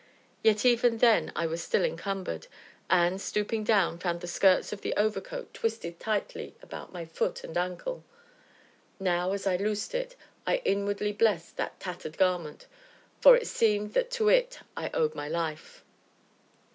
Yet even then I was still encumbered, and, stooping down, found the skirts of the overcoat twisted tightly about my foot and ankle. Now, as I loosed it, I inwardly blessed that tattered garment, for it seemed that to it I owed my life.